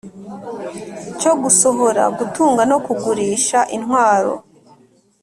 Cyo gusohora gutunga no kugurisha intwaro